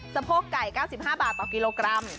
สะโพกไก่๙๕บาทต่อกิโลกรัม